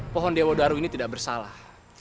pohon dewa daru ini tidak bersalah